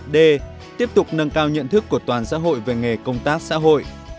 d tiếp tục nâng cao nhận thức của toàn xã hội về nghề công tác xã hội